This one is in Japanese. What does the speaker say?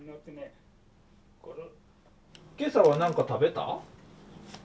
今朝はなんか食べた？